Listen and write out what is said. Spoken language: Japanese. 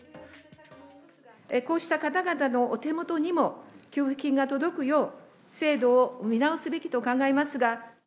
こうした方々のお手元にも、給付金が届くよう、制度を見直すべきと考えますが。